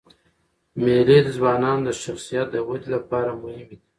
مېلې د ځوانانو د شخصیت د ودي له پاره مهمي دي.